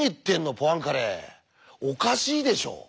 おかしいでしょ！